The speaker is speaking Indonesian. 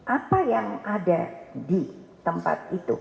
apa yang ada di tempat itu